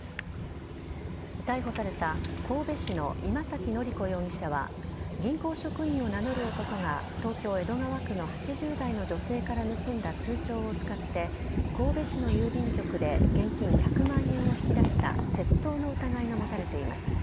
逮捕された神戸市の今崎典子容疑者は銀行職員を名乗る男が東京・江戸川区の８０代の女性から盗んだ通帳を使って神戸市の郵便局で現金１００万円を引き出した窃盗の疑いが持たれています。